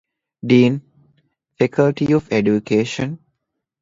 ޑީން، ފެކަލްޓީ އޮފް އެޑިއުކޭޝަން